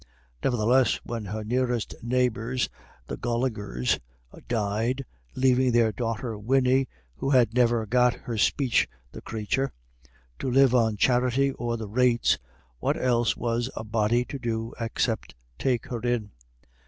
Nevertheless, when her nearest neighbours the Golighers died, leaving their daughter Winnie, "who had niver got her speech, the crathur," to live on charity or the rates, what else was a body to do except take her in?